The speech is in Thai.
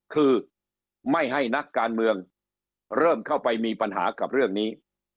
คือไม่ให้นักการเมืองเริ่มเข้าไปมีปัญหากับเรื่องนี้